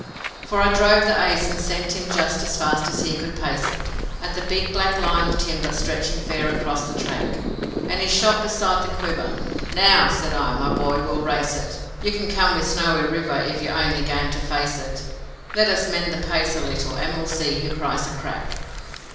For I drove the Ace and sent him just as fast as he could pace it, At the big black line of timber stretching fair across the track, And he shot beside the Quiver. 'Now,' said I, 'my boy, we'll race it. You can come with Snowy River if you're only game to face it, Let us mend the pace a little and we'll see who cries a crack.'